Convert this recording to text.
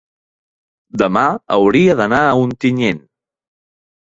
Demà hauria d'anar a Ontinyent.